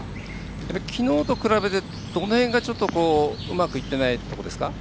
きのうと比べてどの辺が、ちょっとうまくいってないところですか？